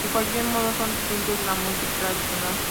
De cualquier modo son distintos de la music tradicional.